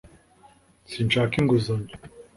sinshaka inguzanyo